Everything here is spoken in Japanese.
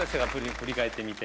振り返ってみて。